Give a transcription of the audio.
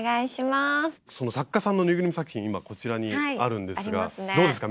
その作家さんのぬいぐるみ作品今こちらにあるんですがどうですか？